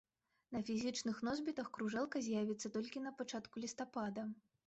На фізічных носьбітах кружэлка з'явіцца толькі на пачатку лістапада.